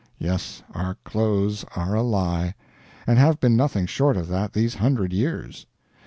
Yes, our clothes are a lie, and have been nothing short of that these hundred years.